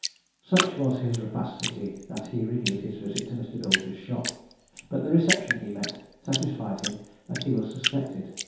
Such was his rapacity, that he renewed his visit to Mr. Bilger's shop; but the reception he met satisfied him that he was suspected.